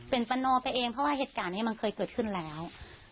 เป็นแผนวไปเองเพราะว่าเหตุการณ์นี้คือเห็นแล้ว